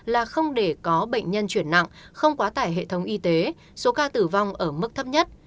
là không để có bệnh nhân chuyển nặng không quá tải hệ thống y tế số ca tử vong ở mức thấp nhất